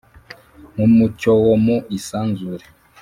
Nk umucyo wo mu isanzure